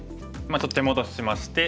ちょっと手戻ししまして。